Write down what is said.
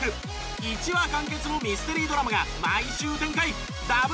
一話完結のミステリードラマが毎週展開。